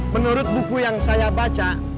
menurut buku yang saya baca